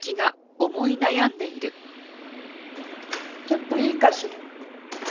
ちょっといいかしら？